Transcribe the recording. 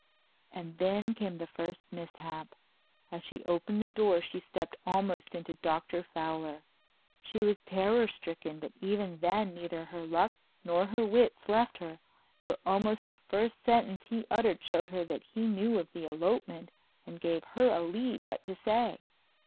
And then came the first mishap—as she opened the door she stepped almost into Dr. Fowler. She was terror stricken, but even then neither her luck nor her wits left her, for almost the first sentence he uttered showed her that he knew of the elopement and gave her a lead what to say.